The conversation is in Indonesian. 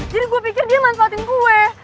jadi gue pikir dia manfaatin gue